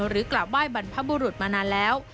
หรือกล่าวไหว้บรรพบุรุษมานานแล้ว